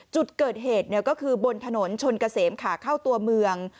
จุดเกิดเหตุก็คือบนถนนชนเกษมขาเข้าตัวเมือง